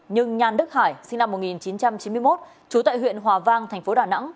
nhưng nhan đức hải sinh năm một nghìn chín trăm chín mươi một trú tại huyện hòa vang tp đà nẵng